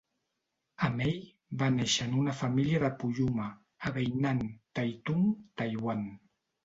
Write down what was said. A-mei va néixer en una família de Puyuma, a Beinan, Taitung, Taiwan.